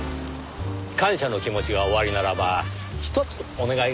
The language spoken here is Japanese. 感謝の気持ちがおありならばひとつお願いがあるのですが。